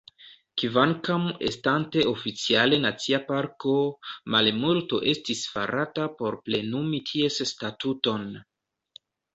Kvankam estante oficiale nacia parko, malmulto estis farata por plenumi ties statuton.